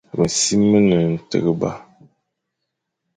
Mesim me ne nteghba.